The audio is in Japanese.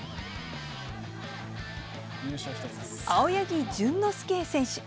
青柳潤之介選手。